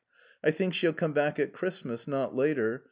I think she'll be back at Christmas. Not later.